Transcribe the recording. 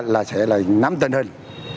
là sẽ là nắm tên hình